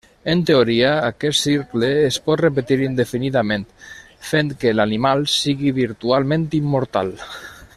En teoria, aquest cicle es pot repetir indefinidament, fent que l'animal sigui virtualment immortal.